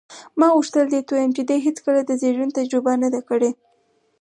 ما غوښتل دې ته ووایم چې دې هېڅکله د زېږون تجربه نه ده کړې.